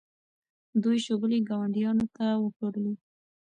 دوی شوبلې ګاونډیانو ته وپلورلې.